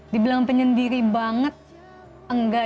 dibilang penyendiri banget enggak